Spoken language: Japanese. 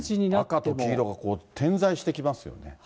赤と黄色が点在してきますよね。